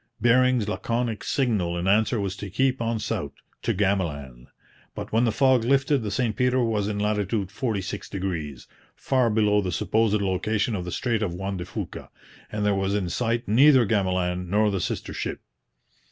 Bering's laconic signal in answer was to keep on south 'to Gamaland'; but when the fog lifted the St Peter was in latitude 46°, far below the supposed location of the strait of Juan de Fuca, and there was in sight neither Gamaland nor the sister ship.